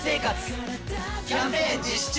キャンペーン実施中！